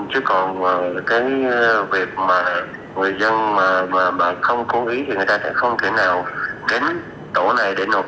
chứ còn cái việc mà người dân mà không cố ý thì người ta sẽ không thể nào kém chỗ này để nộp